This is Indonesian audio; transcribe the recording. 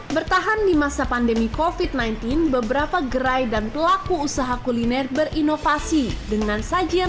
bertahan di masa pandemi kofit sembilan belas beberapa gerai dan pelaku usaha kuliner berinovasi dengan sajian